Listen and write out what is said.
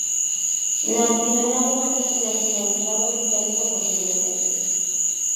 Nacido en Alemania, y nacionalizado británico posteriormente.